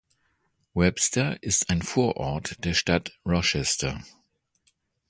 Webster ist ein Vorort der Stadt Rochester.